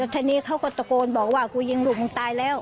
ทีนี้เขาก็ตะโกนบอกว่ากูยิงลูกมึงตายแล้ว